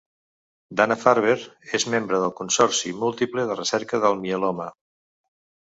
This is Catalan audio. Dana-Farber és membre del Consorci múltiple de recerca del mieloma.